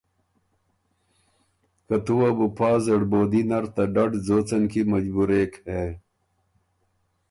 که تُو وه بُو پا زړبودي نر ته ډډ ځوڅن کی مجبورېک هې۔